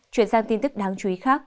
chuyển sang tin tức đáng chú ý khác